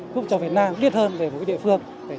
giúp cho việt nam biết hơn về mỗi địa phương